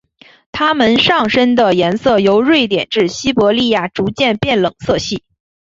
它们上身的颜色由瑞典至西伯利亚逐渐变冷色系。